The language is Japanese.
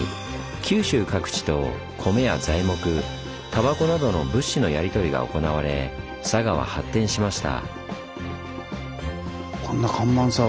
九州各地と米や材木たばこなどの物資のやり取りが行われ佐賀は発展しました。